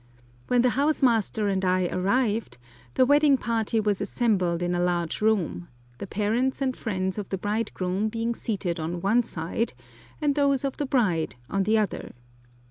When the house master and I arrived the wedding party was assembled in a large room, the parents and friends of the bridegroom being seated on one side, and those of the bride on the other.